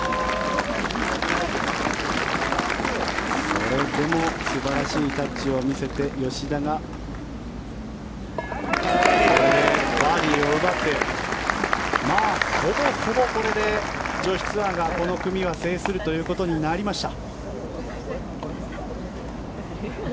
それでも素晴らしいタッチを見せて吉田がこれでバーディーを奪ってまあ、ほぼほぼこれで女子ツアーがこの組は制するということになりました。